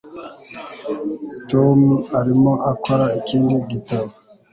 Tom arimo akora ikindi gitabo